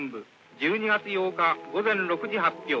１２月８日午前６時発表